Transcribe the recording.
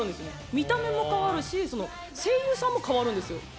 見た目も変わるし声優さんも変わるんですよ。